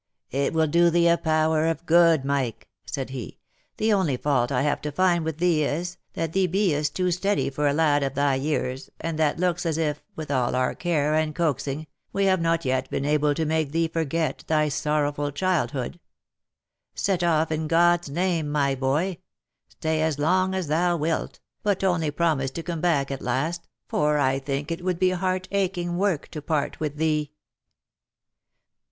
" It will do thee a power of good, Mike," said he. " The only fault I have to find with thee is, that thee beest too steady for a lad of thy years, and that looks as if, with all our care and coaxing, we had not yet been able to make thee forget thy sorrowful childhood. Set off, in God's name, my boy ; stay as long as thou wilt, but only promise to come back at last, for I think it would be heart aching work to part with thee."